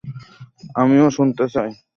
আমিও শুনতে চাই।